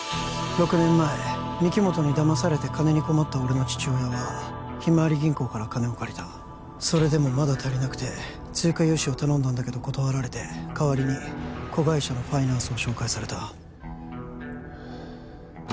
６年前御木本に騙されて金に困った俺の父親はひまわり銀行から金を借りたそれでもまだ足りなくて追加融資を頼んだんだけど断られて代わりに子会社のファイナンスを紹介されたはあ